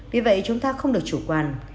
vì vậy chúng ta không được chủ quan